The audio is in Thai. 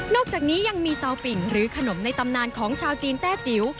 อกจากนี้ยังมีซาวปิ่งหรือขนมในตำนานของชาวจีนแต้จิ๋ว